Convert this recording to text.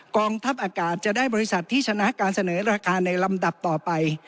กองทัพอากาศจะได้บริษัทที่ชนะการเสนอราคาในลำดับต่อไป